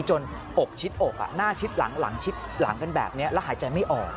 อกชิดอกหน้าชิดหลังชิดหลังเป็นแบบนี้แล้วหายใจไม่ออก